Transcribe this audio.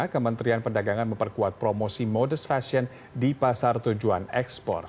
kementerian perdagangan memperkuat promosi modest fashion di pasar tujuan ekspor